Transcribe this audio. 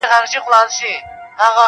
بې پیسو نه دچا خپل نه د چا سیال یې,